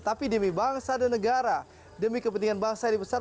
tapi demi bangsa dan negara demi kepentingan bangsa yang besar